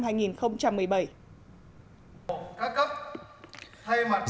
hội nghị tổ chức xây dựng đảng